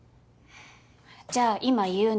じゃあ今言うんで。